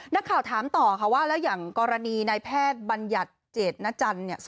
นักข่าวถามต่อค่ะว่าแล้วอย่างกรณีนายแพทย์บัญญัติเจตนจันทร์เนี่ย